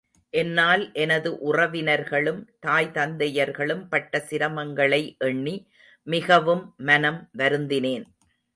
என்னால் எனது உறவினர்களும், தாய் தந்தையர்களும் பட்ட சிரமங்களை எண்ணி மிகவும் மனம் வருந்தினேன்.